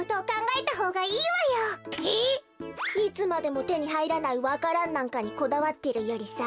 いつまでもてにはいらないわか蘭なんかにこだわってるよりさ。